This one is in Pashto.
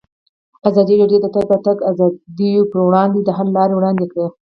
ازادي راډیو د د تګ راتګ ازادي پر وړاندې د حل لارې وړاندې کړي.